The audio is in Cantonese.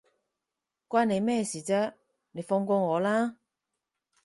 關你咩事啫，你放過我啦